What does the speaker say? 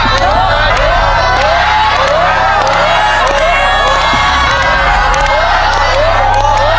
หัว